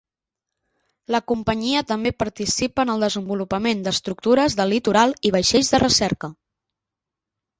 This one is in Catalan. La companyia també participa en el desenvolupament d'estructures de litoral i vaixells de recerca.